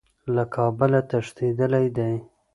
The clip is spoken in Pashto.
له کابله تښتېدلی دی.